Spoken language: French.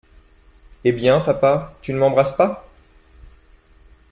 Eh bien, papa, tu ne m’embrasses pas !